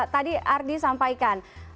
tadi ardi sampaikan